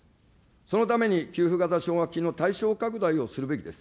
そのために給付型奨学金の対象拡大をするべきです。